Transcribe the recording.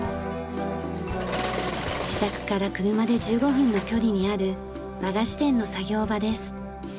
自宅から車で１５分の距離にある和菓子店の作業場です。